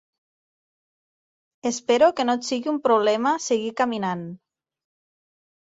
"Espero que no et sigui un problema seguir caminant".